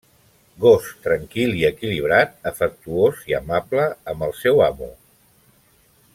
Gos tranquil i equilibrat, afectuós i amable amb el seu amo.